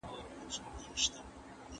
انګریزانو د هغه سیمي هم ونیولې.